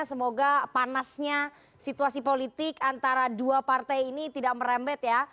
semoga panasnya situasi politik antara dua partai ini tidak merembet ya